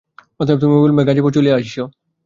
অতএব তুমি অবিলম্বে গাজীপুরে চলিয়া আইস।